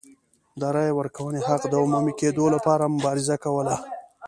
د رایې ورکونې حق د عمومي کېدو لپاره مبارزه کوله.